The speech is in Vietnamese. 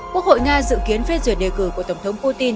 quốc hội nga dự kiến phê duyệt đề cử của tổng thống putin